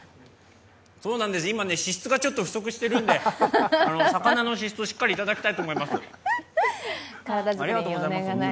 今、脂質がちょっと不足してるので魚の脂質をしっかりといただきたいと思います。